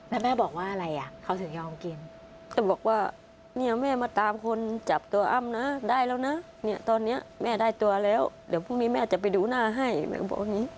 แล้วแม่บอกว่าอะไรอ่ะเขาถึงยอมกินแต่บอกว่าเนี่ยแม่มาตามคนจับตัวอ้ำนะได้แล้วนะเนี่ยตอนนี้แม่ได้ตัวแล้วเดี๋ยวพรุ่งนี้แม่จะไปดูหน้าให้แม่ก็บอกอย่างนี้